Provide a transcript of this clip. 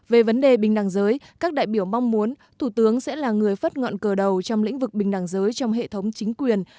về vấn đề bình đẳng giới các đại biểu mong muốn thủ tướng sẽ là người phát ngọn cờ đầu trong lĩnh vực bình đẳng giới trong hệ thống chính quyền